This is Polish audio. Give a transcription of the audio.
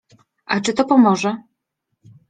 A czy to pomoże?